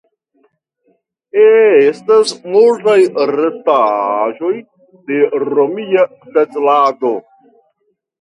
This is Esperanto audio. Estas multaj restaĵoj de romia setlado.